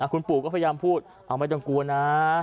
คุณปู่ก็พยายามพูดไม่ต้องกลัวนะ